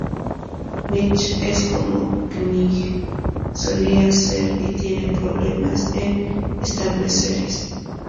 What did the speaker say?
Mitch es como Knight solía ser, y tiene problemas en establecerse.